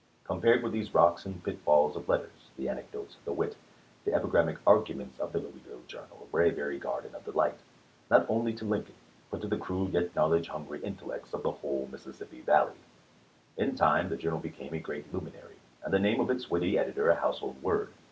Compared with these rocks and pit falls of letters, the anecdotes, the wit, the epigram matic arguments of the "Louisville Journal" were a very garden of delight, not only to Lincoln, but to the crude yet knowledge hungry intellects of the whole Mississippi Valley. In time the " Jour nal" became a great luminary, and the name of its witty editor a household word.